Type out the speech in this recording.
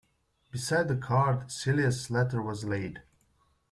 Beside the card Celia's letter was laid.